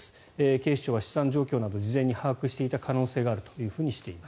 警視庁は資産状況など事前に把握していた可能性があるとしています。